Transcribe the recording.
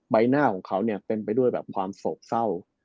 ใบหน้าของเขาเนี่ยเป็นไปด้วยแบบความโศกเศร้า